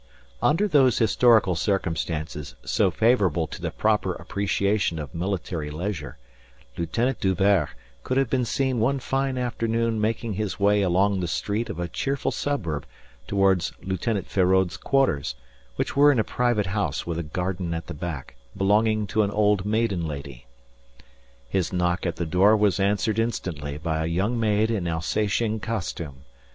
Under those historical circumstances so favourable to the proper appreciation of military leisure Lieutenant D'Hubert could have been seen one fine afternoon making his way along the street of a cheerful suburb towards Lieutenant Feraud's quarters, which were in a private house with a garden at the back, belonging to an old maiden lady. His knock at the door was answered instantly by a young maid in Alsatian costume.